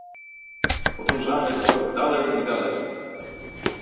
Podążamy coraz dalej i dalej